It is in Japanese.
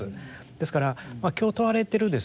ですから今日問われているですね